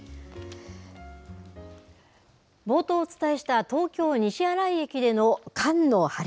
冒頭お伝えした、東京・西新井駅での缶の破裂。